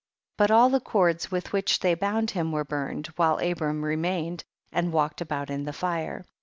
25. But all the cords with which they bound him were burned, while Abram remained and walked about in the fire.